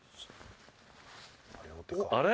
あれ？